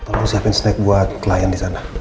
tolong siapin snack buat klien disana